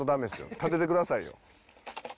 立ててくださいよ。